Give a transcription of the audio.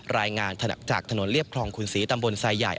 รายงานจากถนนเรียบคลองขุนศรีตำบลทรายใหญ่